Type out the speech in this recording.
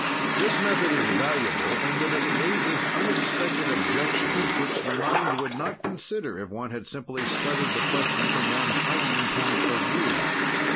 This method is valuable in that it raises unexpected objections, which the mind would not consider if one had simply studied the question from one's own point of view.